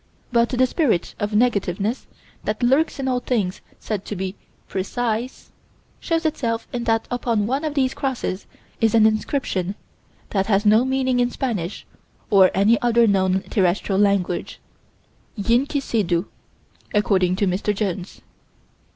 But the spirit of negativeness that lurks in all things said to be "precise" shows itself in that upon one of these crosses is an inscription that has no meaning in Spanish or any other known, terrestrial language: "IYNKICIDU," according to Mr. Jones.